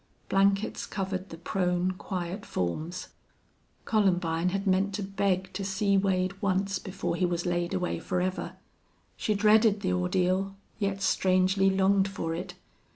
Blankets covered the prone, quiet forms. Columbine had meant to beg to see Wade once before he was laid away forever. She dreaded the ordeal, yet strangely longed for it.